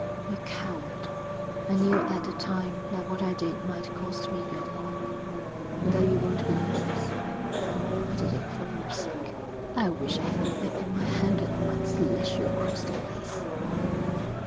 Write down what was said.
You coward!' 'I knew at the time that what I did might cost me your love, and though you won't believe this, I did it for your sake.' 'I wish I had a whip in my hand that I might slash you across the face.'